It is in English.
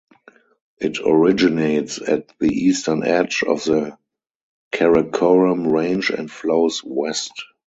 It originates at the eastern edge of the Karakoram Range and flows west.